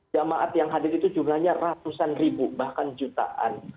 jemaat yang hadir itu jumlahnya ratusan ribu bahkan jutaan